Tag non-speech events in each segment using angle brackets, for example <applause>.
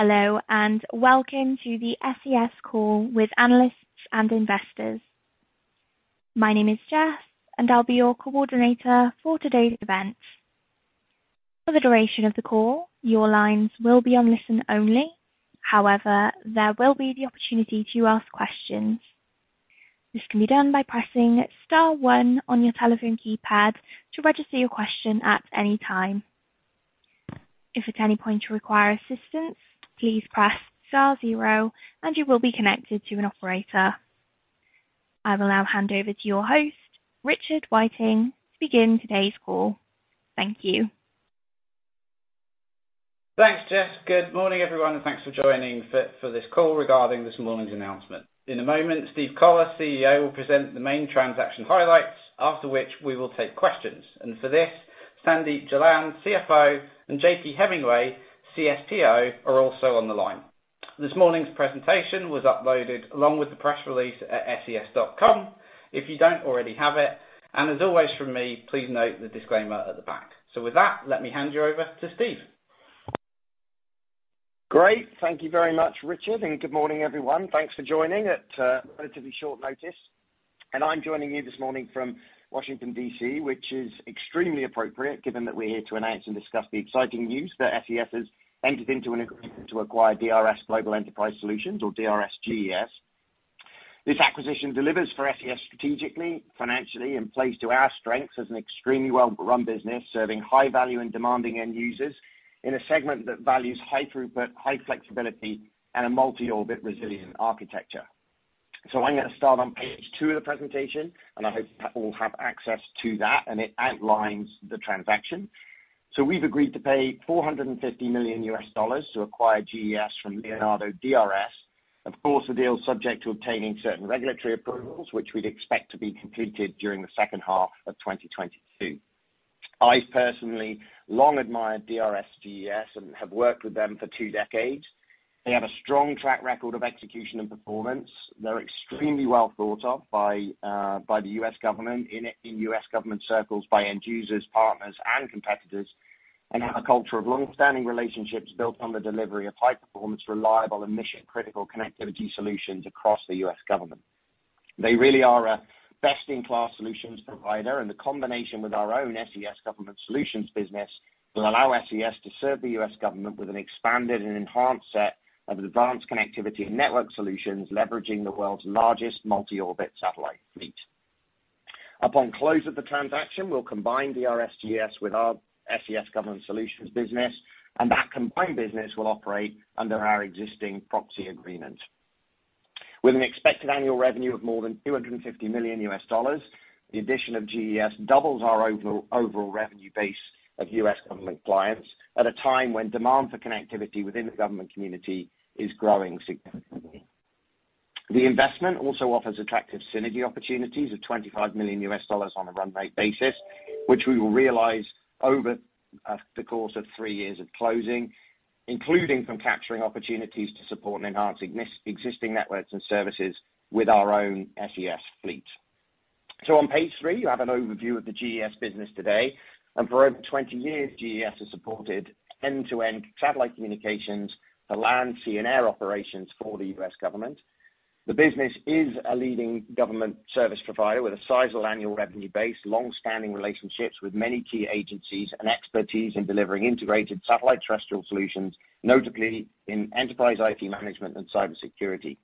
Hello, and welcome to the SES call with analysts and investors. My name is Jess, and I'll be your coordinator for today's event. For the duration of the call, your lines will be on listen only. However, there will be the opportunity to ask questions. This can be done by pressing star one on your telephone keypad to register your question at any time. If at any point you require assistance, please press star zero, and you will be connected to an operator. I will now hand over to your host, Richard Whiteing, to begin today's call. Thank you. Thanks, Jess. Good morning, everyone, and thanks for joining for this call regarding this morning's announcement. In a moment, Steve Collar, CEO, will present the main transaction highlights, after which we will take questions. For this, Sandeep Jalan, CFO, and John-Paul Hemingway, CSTO, are also on the line. This morning's presentation was uploaded along with the press release at ses.com, if you don't already have it, and as always from me, please note the disclaimer at the back. With that, let me hand you over to Steve. Great. Thank you very much, Richard. Good morning, everyone. Thanks for joining at relatively short notice. I'm joining you this morning from Washington, D.C., which is extremely appropriate given that we're here to announce and discuss the exciting news that SES has entered into an agreement to acquire DRS Global Enterprise Solutions or DRS GES. This acquisition delivers for SES strategically, financially, and plays to our strengths as an extremely well-run business, serving high value and demanding end users in a segment that values high throughput, high flexibility and a multi-orbit resilient architecture. I'm gonna start on page two of the presentation, and I hope you all have access to that, and it outlines the transaction. We've agreed to pay $450 million to acquire GES from Leonardo DRS. Of course, the deal is subject to obtaining certain regulatory approvals, which we'd expect to be completed during the second half of 2022. I've personally long admired DRS GES and have worked with them for two decades. They have a strong track record of execution and performance. They're extremely well thought of by the U.S. government in U.S. government circles, by end users, partners, and competitors, and have a culture of long-standing relationships built on the delivery of high-performance, reliable, and mission-critical connectivity solutions across the U.S. government. They really are a best-in-class solutions provider, and the combination with our own SES Government Solutions business will allow SES to serve the U.S. government with an expanded and enhanced set of advanced connectivity and network solutions, leveraging the world's largest multi-orbit satellite fleet. Upon close of the transaction, we'll combine DRS GES with our SES Government Solutions business, and that combined business will operate under our existing proxy agreement. With an expected annual revenue of more than $250 million, the addition of GES doubles our overall revenue base of U.S. government clients at a time when demand for connectivity within the government community is growing significantly. The investment also offers attractive synergy opportunities of $25 million on a run rate basis, which we will realize over the course of three years of closing, including from capturing opportunities to support and enhance existing networks and services with our own SES fleet. On page three, you have an overview of the GES business today, and for over 20 years, GES has supported end-to-end satellite communications for land, sea, and air operations for the U.S. government. The business is a leading government service provider with a sizable annual revenue base, long-standing relationships with many key agencies and expertise in delivering integrated satellite terrestrial solutions, notably in enterprise IT management and cybersecurity.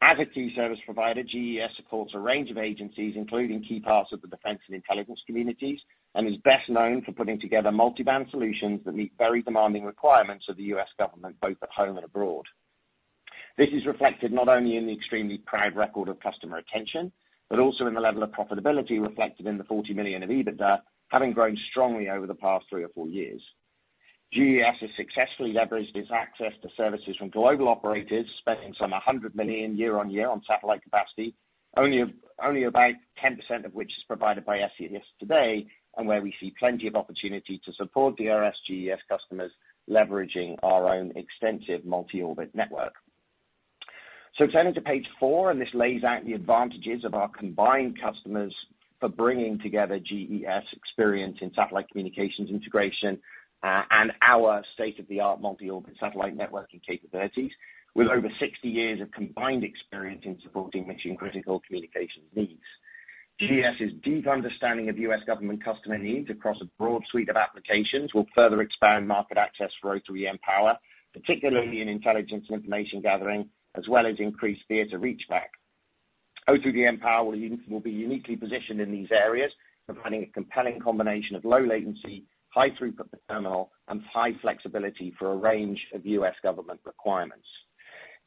As a key service provider, GES supports a range of agencies, including key parts of the defense and intelligence communities, and is best known for putting together multi-band solutions that meet very demanding requirements of the U.S. government, both at home and abroad. This is reflected not only in the extremely proud record of customer retention but also in the level of profitability reflected in the 40 million of EBITDA having grown strongly over the past three or four years. GES has successfully leveraged its access to services from global operators, spending some $100 million YoY on satellite capacity, only about 10% of which is provided by SES today, and where we see plenty of opportunity to support DRS GES customers leveraging our own extensive multi-orbit network. Turning to page four, and this lays out the advantages of our combined customers for bringing together GES experience in satellite communications integration, and our state-of-the-art multi-orbit satellite networking capabilities with over 60 years of combined experience in supporting mission-critical communications needs. GES's deep understanding of U.S. government customer needs across a broad suite of applications will further expand market access for O3b mPOWER, particularly in intelligence and information gathering, as well as increased theater reach back. O3b mPOWER will be uniquely positioned in these areas, providing a compelling combination of low latency, high throughput per terminal, and high flexibility for a range of U.S. government requirements.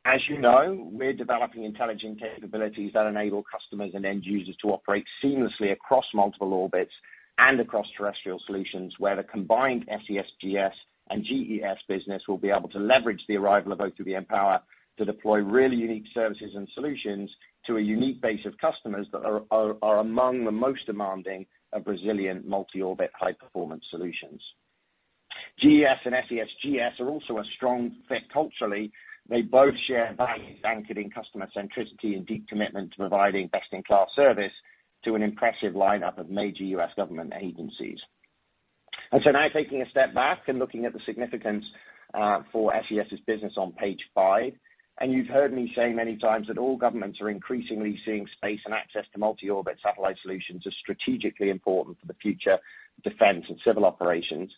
As you know, we're developing intelligent capabilities that enable customers and end users to operate seamlessly across multiple orbits and across terrestrial solutions, where the combined SES GS and GES business will be able to leverage the arrival of O3b mPOWER to deploy really unique services and solutions to a unique base of customers that are among the most demanding of resilient multi-orbit high-performance solutions. GES and SES GS are also a strong fit culturally. They both share values anchored in customer centricity and deep commitment to providing best-in-class service to an impressive lineup of major U.S. government agencies. Now taking a step back and looking at the significance for SES's business on page five, and you've heard me say many times that all governments are increasingly seeing space and access to multi-orbit satellite solutions as strategically important for the future defense and civil operations.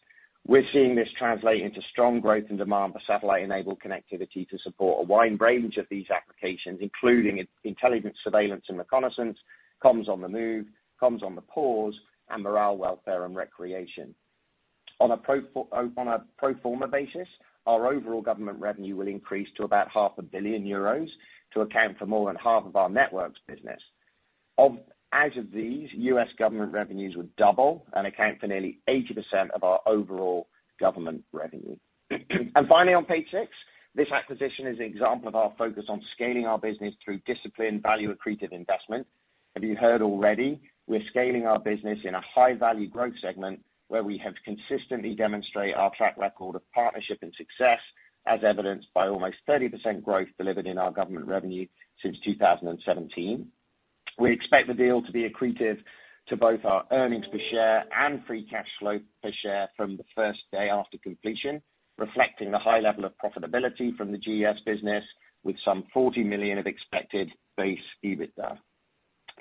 We're seeing this translate into strong growth and demand for satellite-enabled connectivity to support a wide range of these applications, including intelligence, surveillance, and reconnaissance, comms on the move, Comms on the Pause, and morale, welfare, and recreation. On a pro forma basis, our overall government revenue will increase to about half a billion euros to account for more than half of our Networks business. Out of these, U.S. government revenues will double and account for nearly 80% of our overall government revenue. Finally, on page six, this acquisition is an example of our focus on scaling our business through disciplined, value-accretive investment. As you heard already, we're scaling our business in a high-value growth segment where we have consistently demonstrated our track record of partnership and success, as evidenced by almost 30% growth delivered in our government revenue since 2017. We expect the deal to be accretive to both our earnings per share and free cash flow per share from the first day after completion, reflecting the high level of profitability from the GES business with some 40 million of expected base EBITDA.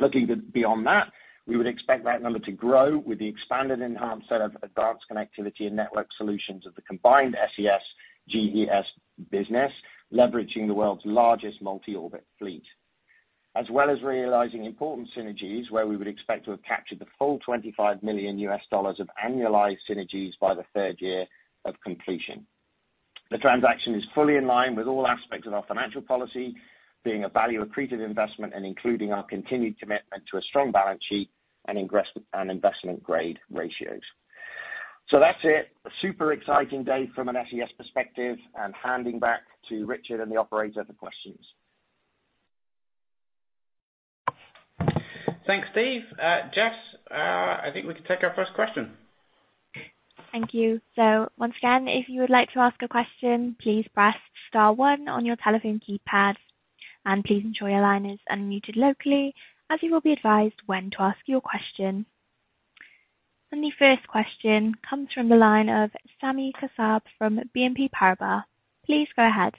Looking beyond that, we would expect that number to grow with the expanded enhanced set of advanced connectivity and network solutions of the combined SES-GES business, leveraging the world's largest multi-orbit fleet. As well as realizing important synergies where we would expect to have captured the full $25 million of annualized synergies by the third year of completion. The transaction is fully in line with all aspects of our financial policy, being a value-accretive investment and including our continued commitment to a strong balance sheet and investment-grade ratios. That's it. Super exciting day from an SES perspective and handing back to Richard and the operator for questions. Thanks, Steve. Jess, I think we can take our first question. Thank you. Once again, if you would like to ask a question, please press star one on your telephone keypad and please ensure your line is unmuted locally as you will be advised when to ask your question. The first question comes from the line of Sami Kassab from BNP Paribas. Please go ahead.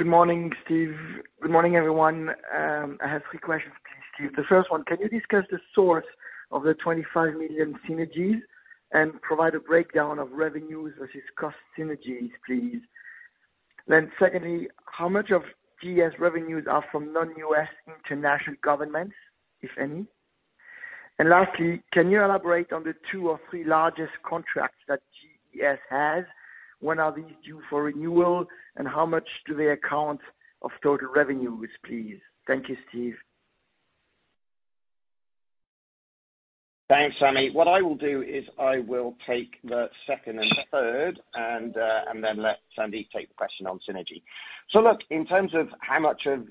Good morning, Steve. Good morning, everyone. I have three questions for Steve. The first one, can you discuss the source of the 25 million synergies and provide a breakdown of revenues versus cost synergies, please? Secondly, how much of GES revenues are from non-U.S. international governments, if any? Lastly, can you elaborate on the two or three largest contracts that GES has? When are these due for renewal, and how much do they account of total revenues, please? Thank you, Steve. Thanks, Sami. What I will do is I will take the second and third and then let Sandeep take the question on synergy. Look, in terms of how much of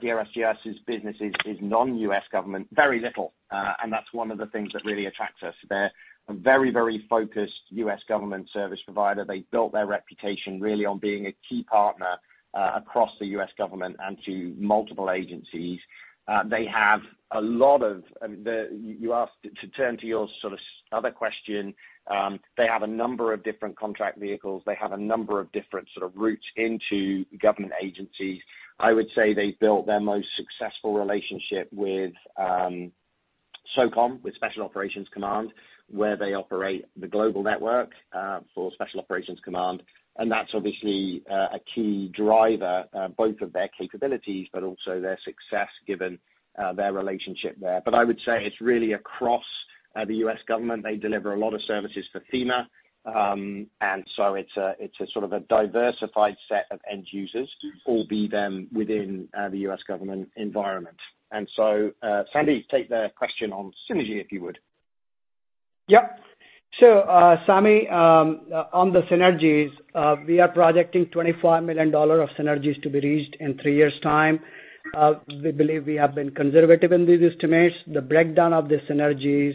DRS GES' business is non-U.S. government, very little. That's one of the things that really attracts us. They're a very, very focused U.S. government service provider. They built their reputation really on being a key partner across the U.S. government and to multiple agencies. You asked to turn to your sort of other question. They have a number of different contract vehicles. They have a number of different sort of routes into government agencies. I would say they built their most successful relationship with SOCOM, with Special Operations Command, where they operate the global network for Special Operations Command. That's obviously a key driver both of their capabilities but also their success given their relationship there. I would say it's really across the U.S. government. They deliver a lot of services for FEMA, and so it's a sort of diversified set of end users, albeit within the U.S. government environment. Sandeep, take the question on synergy, if you would. Sami, on the synergies, we are projecting $25 million of synergies to be reached in three years' time. We believe we have been conservative in these estimates. The breakdown of the synergies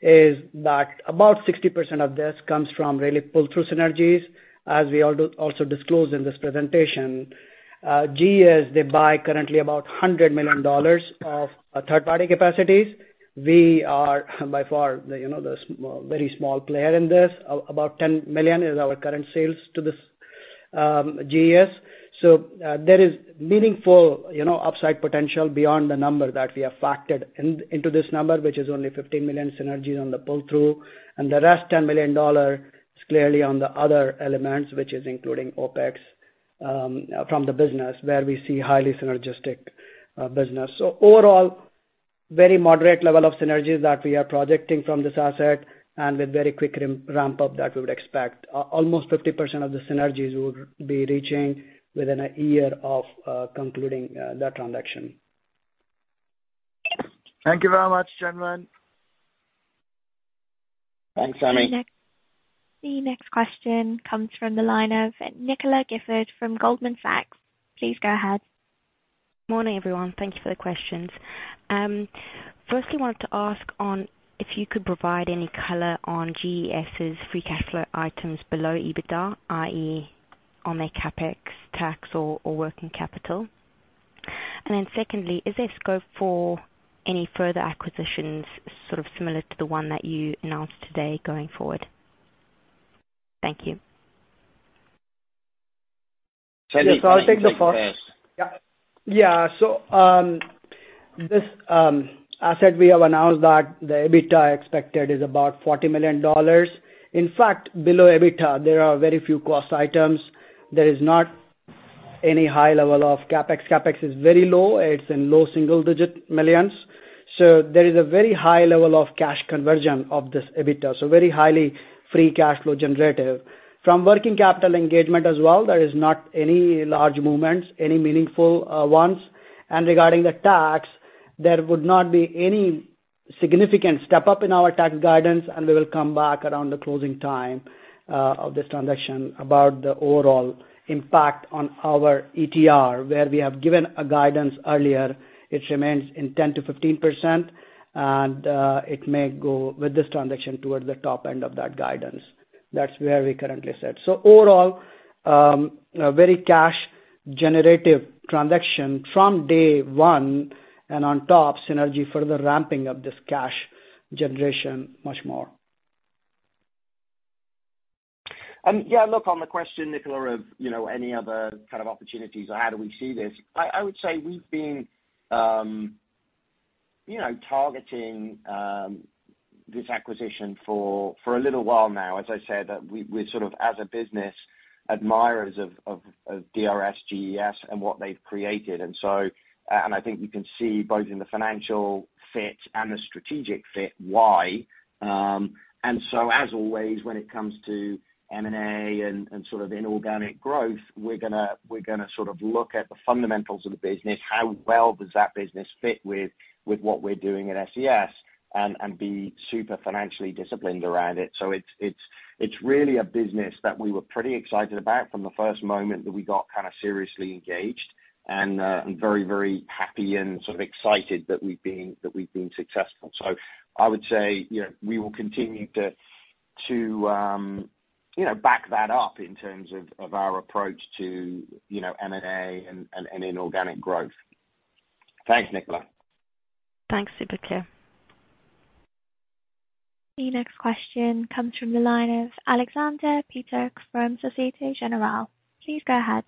is that about 60% of this comes from real pull-through synergies, as we also disclosed in this presentation. GES, they buy currently about $100 million of third-party capacities. We are by far the, you know, very small player in this. About $10 million is our current sales to this GES. There is meaningful, you know, upside potential beyond the number that we have factored into this number, which is only $15 million synergies on the pull-through. The rest $10 million is clearly on the other elements, which is including OpEx from the business, where we see highly synergistic business. Overall, very moderate level of synergies that we are projecting from this asset and with very quick ramp-up that we would expect. Almost 50% of the synergies we would be reaching within a year of concluding the transaction. Thank you very much, gentlemen. Thanks, Sami. The next question comes from the line of Nicola Gifford from Goldman Sachs. Please go ahead. Morning, everyone. Thank you for the questions. Firstly, I wanted to ask on if you could provide any color on GES' free cash flow items below EBITDA, i.e., on their CapEx, tax or working capital. Secondly, is there scope for any further acquisitions sort of similar to the one that you announced today going forward? Thank you. Sandeep, why don't you take this? This asset we have announced that the EBITDA expected is about $40 million. In fact, below EBITDA, there are very few cost items. There is not any high level of CapEx. CapEx is very low. It's in low single-digit millions. There is a very high level of cash conversion of this EBITDA, so very highly free cash flow generative. From working capital engagement as well, there is not any large movements, any meaningful ones. Regarding the tax, there would not be any significant step up in our tax guidance, and we will come back around the closing time of this transaction about the overall impact on our ETR, where we have given a guidance earlier. It remains in 10%-15%. It may go with this transaction towards the top end of that guidance. That's where we currently sit. Overall, a very cash generative transaction from day one and on top, synergy further ramping up this cash generation much more. Yeah, look on the question, Nicola, of you know any other kind of opportunities or how do we see this. I would say we've been you know targeting this acquisition for a little while now. As I said, that we're sort of, as a business, admirers of DRS GES and what they've created. I think you can see both in the financial fit and the strategic fit why. As always when it comes to M&A and sort of inorganic growth, we're gonna sort of look at the fundamentals of the business, how well does that business fit with what we're doing at SES and be super financially disciplined around it. It's really a business that we were pretty excited about from the first moment that we got kind of seriously engaged and very, very happy and sort of excited that we've been successful. I would say, you know, we will continue to you know, back that up in terms of our approach to, you know, M&A and inorganic growth. Thanks, Nicola. Thanks. Super clear. The next question comes from the line of Aleksander Peterc from Societe Generale. Please go ahead.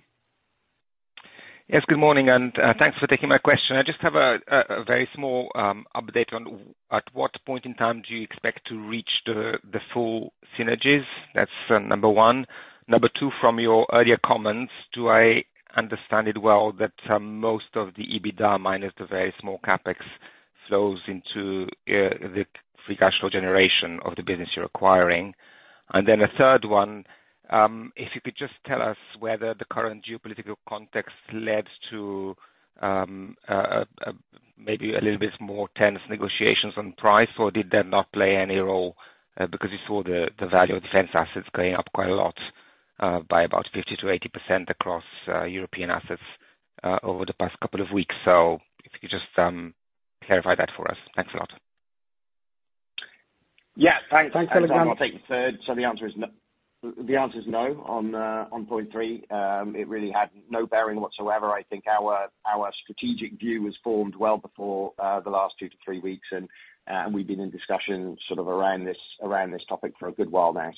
Yes, good morning and thanks for taking my question. I just have a very small update on what point in time do you expect to reach the full synergies? That's number one. Number two, from your earlier comments, do I understand it well that most of the EBITDA minus the very small CapEx flows into the free cash flow generation of the business you're acquiring? A third one, if you could just tell us whether the current geopolitical context led to maybe a little bit more tense negotiations on price, or did that not play any role, because you saw the value of defense assets going up quite a lot by about 50%-80% across European assets over the past couple of weeks. If you could just clarify that for us. Thanks a lot. Yeah, thanks. Thanks, Aleksander. I'll take the third. The answer is no on point three. It really had no bearing whatsoever. I think our strategic view was formed well before the last two to three weeks, and we've been in discussions sort of around this topic for a good while now.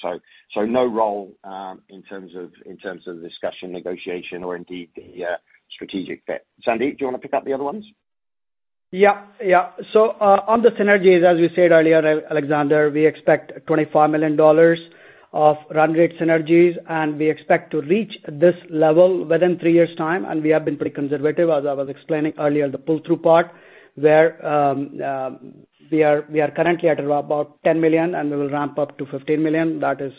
No role in terms of the discussion, negotiation or indeed the strategic fit. Sandeep, do you wanna pick up the other ones? On the synergies, as we said earlier, Aleksander, we expect $25 million of run rate synergies, and we expect to reach this level within three years' time. We have been pretty conservative, as I was explaining earlier, the pull-through part, where we are currently at about $10 million, and we will ramp up to $15 million. That is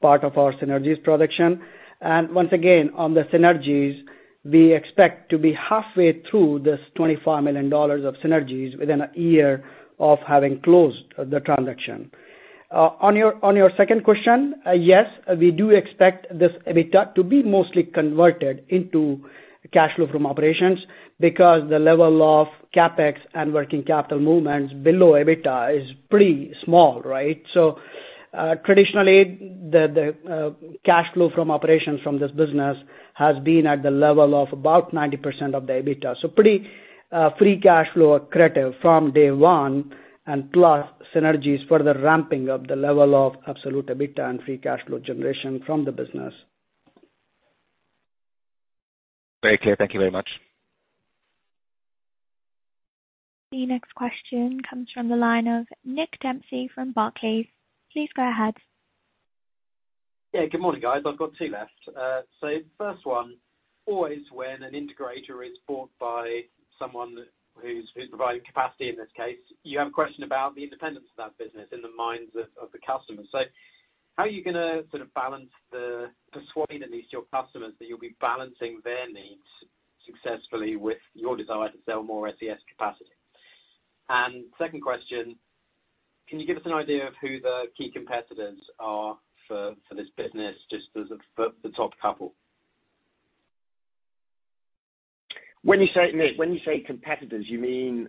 part of our synergies projection. Once again, on the synergies, we expect to be halfway through this $25 million of synergies within a year of having closed the transaction. On your second question, yes, we do expect this EBITDA to be mostly converted into cash flow from operations because the level of CapEx and working capital movements below EBITDA is pretty small, right? Traditionally, the cash flow from operations from this business has been at the level of about 90% of the EBITDA. Pretty free cash flow accretive from day one, and plus synergies further ramping up the level of absolute EBITDA and free cash flow generation from the business. Very clear. Thank you very much. The next question comes from the line of Nick Dempsey from Barclays. Please go ahead. Yeah. Good morning, guys. I've got two left. First one, always when an integrator is bought by someone who's providing capacity, in this case, you have a question about the independence of that business in the minds of the customer. How are you gonna sort of balance to persuade at least your customers that you'll be balancing their needs successfully with your desire to sell more SES capacity? Second question, can you give us an idea of who the key competitors are for this business, just the top couple? When you say, Nick, competitors, you mean,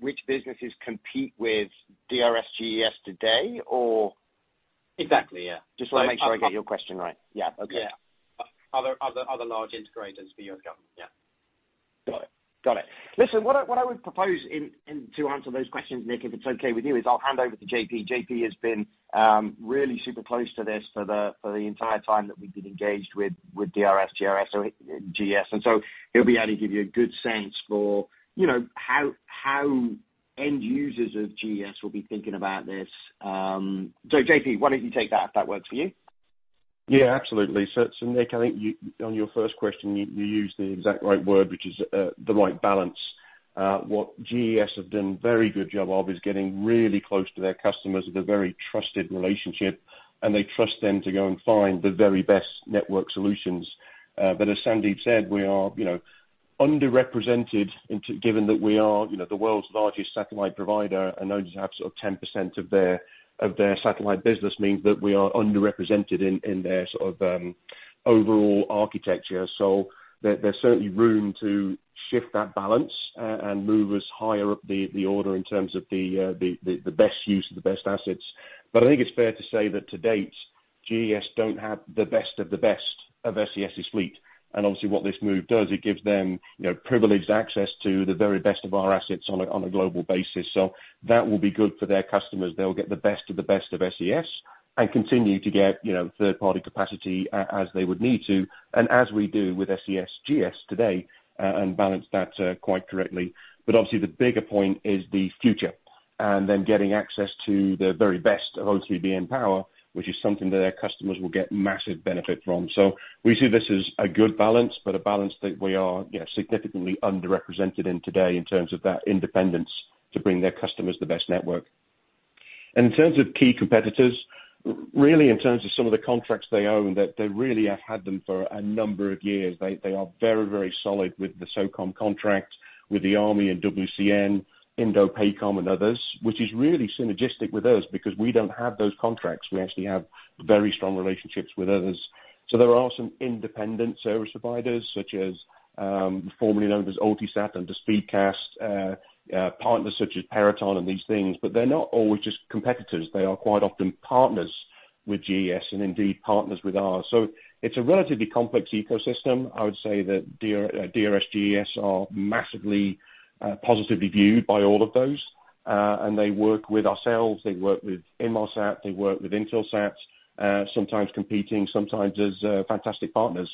which businesses compete with DRS GES today, or? Exactly, yeah. Just wanna make sure I get your question right. Yeah. Okay. Yeah. Other large integrators for U.S. government. Yeah. Got it. Listen, what I would propose in to answer those questions, Nick, if it's okay with you, is I'll hand over to JP. JP has been really super close to this for the entire time that we've been engaged with DRS GES. He'll be able to give you a good sense for, you know, how end users of GES will be thinking about this. JP, why don't you take that if that works for you? Absolutely. Nick, I think you on your first question, you used the exact right word, which is the right balance. What GES have done a very good job of is getting really close to their customers with a very trusted relationship, and they trust them to go and find the very best network solutions. But as Sandeep said, we are, you know, underrepresented in, given that we are, you know, the world's largest satellite provider and only have sort of 10% of their satellite business means that we are underrepresented in their sort of overall architecture. There is certainly room to shift that balance, and move us higher up the order in terms of the best use of the best assets. I think it's fair to say that to date, GES don't have the best of the best of SES's fleet. Obviously what this move does, it gives them, you know, privileged access to the very best of our assets on a global basis. That will be good for their customers. They'll get the best of the best of SES and continue to get, you know, third-party capacity as they would need to and as we do with SES GS today, and balance that quite correctly. Obviously the bigger point is the future, and them getting access to the very best of O3b mPOWER, which is something that their customers will get massive benefit from. We see this as a good balance, but a balance that we are, you know, significantly underrepresented in today in terms of that independence to bring their customers the best network. In terms of key competitors, really in terms of some of the contracts they own, that they really have had them for a number of years. They are very, very solid with the SOCOM contract, with the Army and WCN, INDOPACOM and others, which is really synergistic with us because we don't have those contracts. We actually have very strong relationships with others. There are some independent service providers, such as formerly known as UltiSat and the Speedcast, partners such as Peraton and these things, but they're not always just competitors. They are quite often partners with GES and indeed partners with ours. It's a relatively complex ecosystem. I would say that DRS GES are massively positively viewed by all of those. They work with ourselves, they work with Inmarsat, they work with Intelsat, sometimes competing, sometimes as fantastic partners.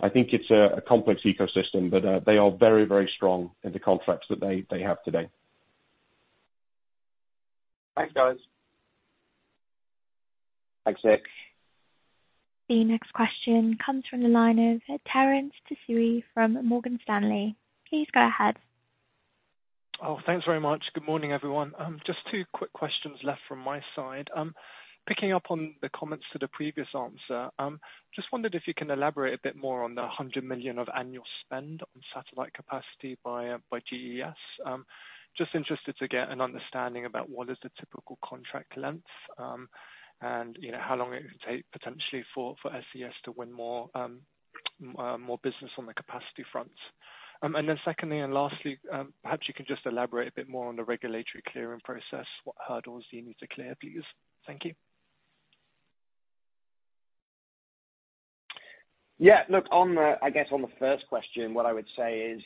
I think it's a complex ecosystem, but they are very strong in the contracts that they have today. Thanks, guys. Thanks, Nick. The next question comes from the line of Terence Tsui from Morgan Stanley. Please go ahead. Oh, thanks very much. Good morning, everyone. Just two quick questions left from my side. Picking up on the comments to the previous answer, just wondered if you can elaborate a bit more on the $100 million of annual spend on satellite capacity by GES. Just interested to get an understanding about what is the typical contract length, and you know, how long it could take potentially for SES to win more business on the capacity front. Secondly and lastly, perhaps you can just elaborate a bit more on the regulatory clearing process. What hurdles do you need to clear, please? Thank you. Yeah. Look, I guess, on the first question, what I would say is,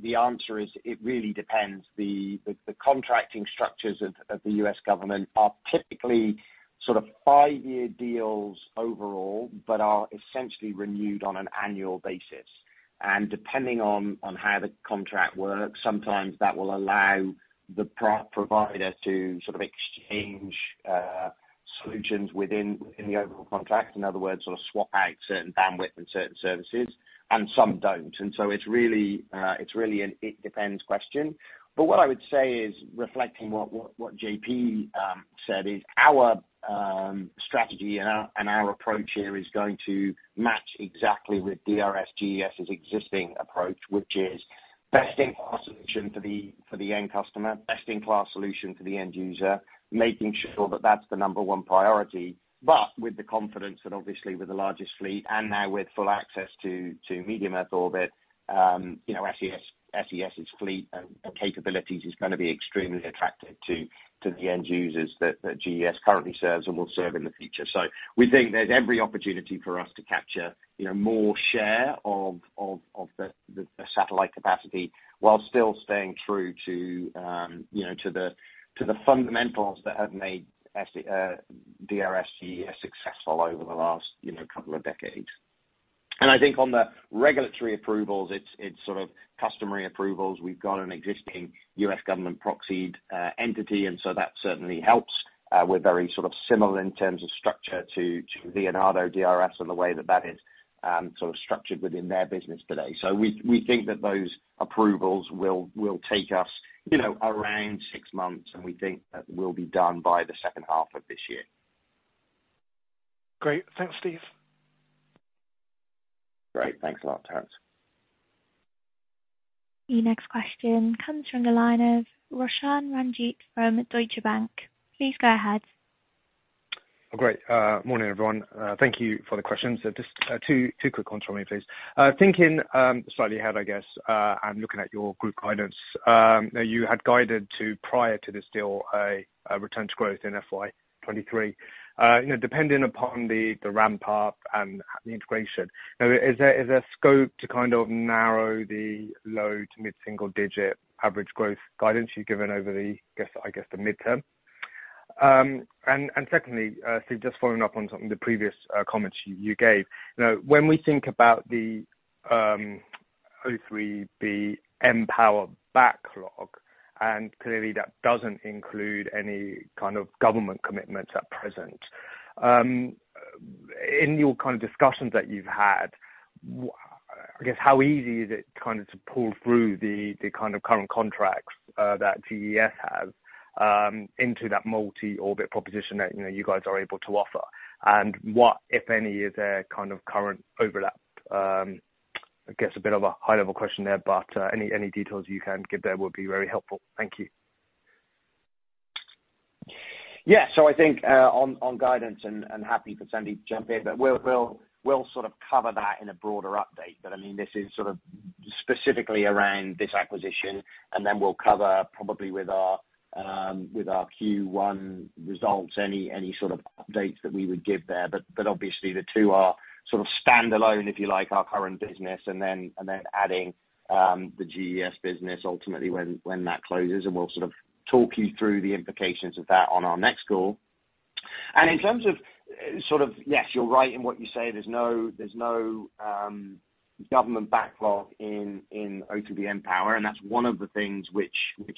the answer is it really depends. The contracting structures of the U.S. government are typically sort of five-year deals overall, but are essentially renewed on an annual basis. Depending on how the contract works, sometimes that will allow the provider to sort of exchange solutions within the overall contract. In other words, sort of swap out certain bandwidth and certain services, and some don't. It's really an it depends question. What I would say is, reflecting what JP said, is our strategy and our approach here is going to match exactly with DRS GES's existing approach, which is best in class solution for the end customer, best in class solution for the end user, making sure that that's the number one priority. With the confidence that obviously with the largest fleet and now with full access to medium earth orbit, you know, SES's fleet and capabilities is gonna be extremely attractive to the end users that GES currently serves and will serve in the future. We think there's every opportunity for us to capture, you know, more share of the satellite capacity while still staying true to, you know, to the fundamentals that have made DRS GES successful over the last, you know, couple of decades. I think on the regulatory approvals, it's sort of customary approvals. We've got an existing U.S. government proxy entity, and so that certainly helps. We're very sort of similar in terms of structure to Leonardo DRS and the way that is sort of structured within their business today. We think that those approvals will take us, you know, around 6 months, and we think that we'll be done by the second half of this year. Great. Thanks, Steve. Great. Thanks a lot, Terence. The next question comes from the line of Roshan Ranjit from Deutsche Bank. Please go ahead. Good morning, everyone. Thank you for the questions. Just two quick ones from me, please. Thinking slightly ahead, I guess, and looking at your group guidance, now you had guided to prior to this deal a return to growth in FY 2023. You know, depending upon the ramp up and the integration. Now, is there scope to kind of narrow the low- to mid-single-digit average growth guidance you've given over the midterm? Secondly, Steve, just following up on something the previous comments you gave. You know, when we think about the O3b mPOWER backlog, and clearly that doesn't include any kind of government commitments at present. In your kind of discussions that you've had, I guess how easy is it kind of to pull through the kind of current contracts that GES have into that multi-orbit proposition that, you know, you guys are able to offer? What, if any, is their kind of current overlap? I guess a bit of a high level question there, but any details you can give there would be very helpful. Thank you. Yeah. I think on guidance and happy for Sandy to jump in, but we'll sort of cover that in a broader update. I mean, this is sort of specifically around this acquisition, and then we'll cover probably with our Q1 results any sort of updates that we would give there. Obviously the two are sort of stand alone, if you like, our current business and then adding the GES business ultimately when that closes and we'll sort of talk you through the implications of that on our next call. In terms of sort of. Yes, you're right in what you say. There's no government backlog in O3b mPOWER, and that's one of the things which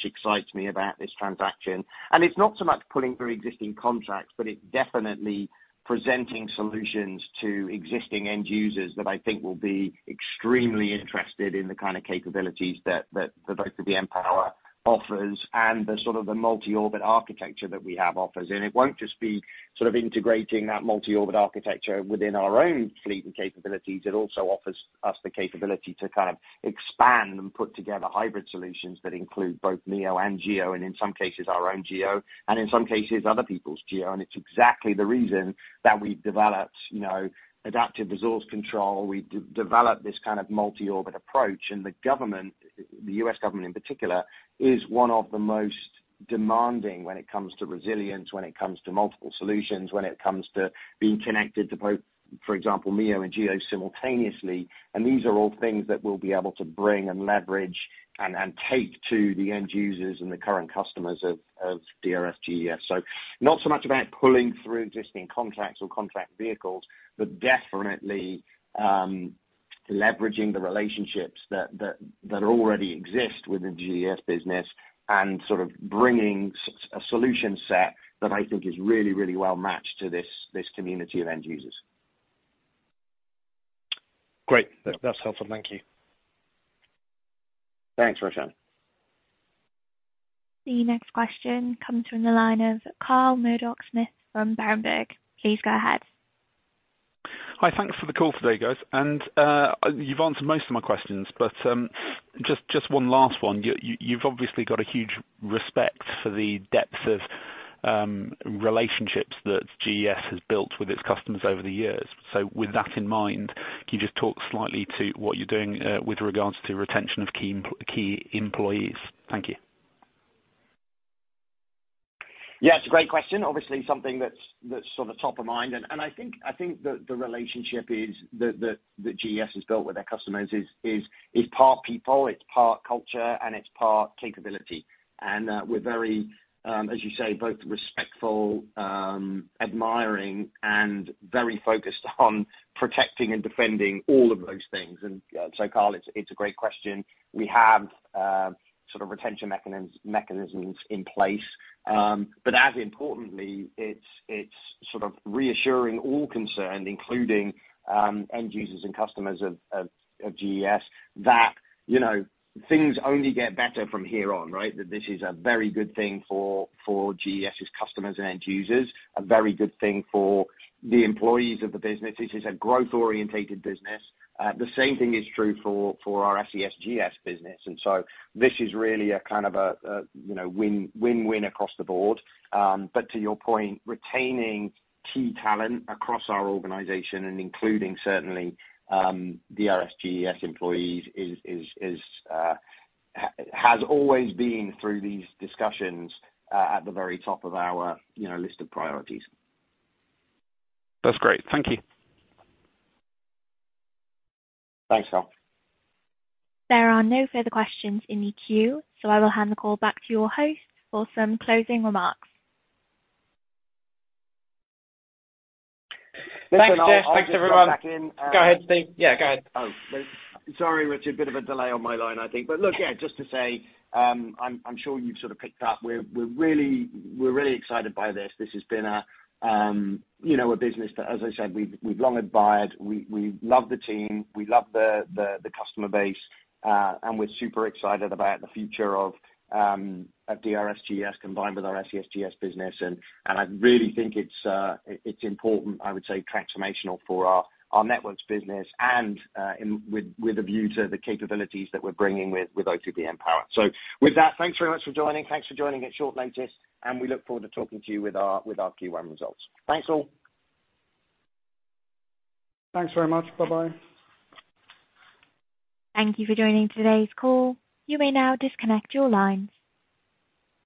excites me about this transaction. It's not so much pulling through existing contracts, but it's definitely presenting solutions to existing end users that I think will be extremely interested in the kind of capabilities that O3b mPOWER offers and the sort of multi-orbit architecture that we have offers. It won't just be sort of integrating that multi-orbit architecture within our own fleet and capabilities. It also offers us the capability to kind of expand and put together hybrid solutions that include both MEO and GEO, and in some cases our own GEO, and in some cases other people's GEO. It's exactly the reason that we've developed, you know, Adaptive Resource Control. We developed this kind of multi-orbit approach. The government, the U.S. government in particular, is one of the most demanding when it comes to resilience, when it comes to multiple solutions, when it comes to being connected to both, for example, MEO and GEO simultaneously. These are all things that we'll be able to bring and leverage and take to the end users and the current customers of DRS GES. Not so much about pulling through existing contracts or contract vehicles, but definitely leveraging the relationships that already exist within GES business and sort of bringing a solution set that I think is really, really well matched to this community of end users. Great. That's helpful. Thank you. Thanks, Roshan. The next question comes from the line of Carl Murdock-Smith from Berenberg. Please go ahead. Hi. Thanks for the call today, guys. You've answered most of my questions, but just one last one. You've obviously got a huge respect for the depth of relationships that GES has built with its customers over the years. With that in mind, can you just talk slightly to what you're doing with regards to retention of key employees? Thank you. Yeah, it's a great question. Obviously something that's sort of top of mind. I think the relationship is that GES has built with their customers is part people, it's part culture and it's part capability. We're very, as you say, both respectful, admiring and very focused on protecting and defending all of those things. Carl, it's a great question. We have sort of retention mechanisms in place. But as importantly, it's sort of reassuring all concerned, including end users and customers of GES that you know, things only get better from here on, right? That this is a very good thing for GES' customers and end users, a very good thing for the employees of the business. This is a growth-oriented business. The same thing is true for our SES GS business. This is really a kind of, you know, win-win across the board. To your point, retaining key talent across our organization and including certainly the DRS GES employees has always been through these discussions at the very top of our, you know, list of priorities. That's great. Thank you. Thanks, Carl. There are no further questions in the queue, so I will hand the call back to your host for some closing remarks. Thanks, Michelle. Thanks, everyone. <crosstalk> Listen, I'll jump back in and. Go ahead, Steve. Yeah, go ahead. <crosstalk> Oh, sorry, Richard. A bit of a delay on my line, I think. Look, yeah, just to say, I'm sure you've sort of picked up, we're really excited by this. This has been a business that, as I said, we've long admired. We love the team, we love the customer base, and we're super excited about the future of DRS GES combined with our SES GS business. I really think it's important, I would say transformational for our networks business and with a view to the capabilities that we're bringing with O3b mPOWER. With that, thanks very much for joining. Thanks for joining at short notice, and we look forward to talking to you with our Q1 results. Thanks, all. Thanks very much. Bye-bye. Thank you for joining today's call. You may now disconnect your lines.